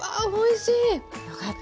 よかった。